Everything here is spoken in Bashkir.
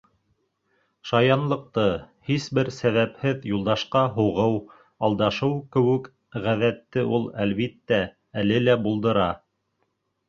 Шаянлыҡты, һис бер сәбәпһеҙ Юлдашҡа һуғыу, алдашыу кеүек ғәҙәтте ул, әлбиттә, әле лә булдыра.